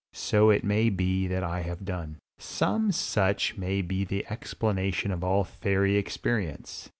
So it may be that I have done. Some such may be the explanation of all fairy experience.